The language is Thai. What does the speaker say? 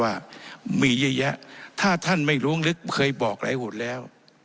ว่ามีเยอะแยะถ้าท่านไม่ล้วงลึกเคยบอกหลายหนแล้ว